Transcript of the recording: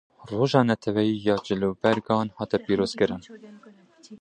Roja netewî ya cilûbergan hate pîroz kirin.